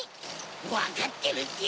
わかってるって！